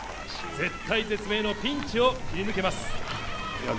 絶体絶命のピンチを切り抜けます。